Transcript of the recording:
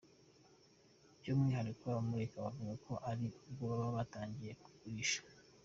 By’umwihariko abamurika bavuga ko ari bwo baba batangiye kugurisha.